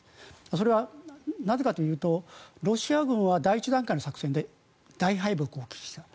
それはなぜかというとロシア軍は第１段階の作戦で大敗北を喫した。